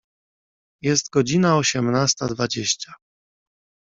Jest godzina osiemnasta dwadzieścia.